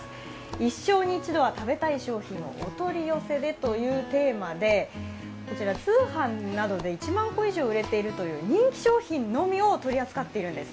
一生に一度は食べたい商品をお取り寄せでというテーマで、こちら、通販などで１万個以上売れている人気商品のみを取り扱っているんです。